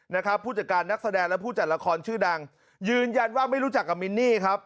นะครับผู้จัดการนักแสดงและผู้จัดละครชื่อดังยืนยันว่าไม่รู้จักกับมินนี่ครับ